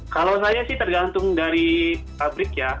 kalau saya sih tergantung dari pabrik ya